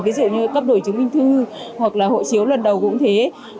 ví dụ như cấp đổi chứng minh thư hoặc là hộ chiếu lần đầu cũng thế